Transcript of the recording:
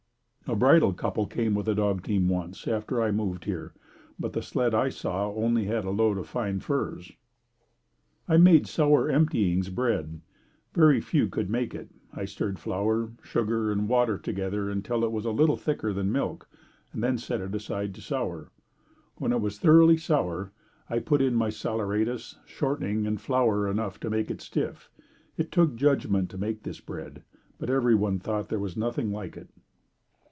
A bridal couple came with a dog team once, after I moved here, but the sled I saw only had a load of fine furs. I made sour emptyings bread. Very few could make it. I stirred flour, sugar and water together until it was a little thicker than milk, then set it aside to sour. When it was thoroughly sour, I put in my saleratus, shortening and flour enough to make it stiff. It took judgment to make this bread, but everyone thought there was nothing like it.